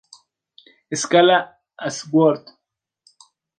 Escala de Ashworth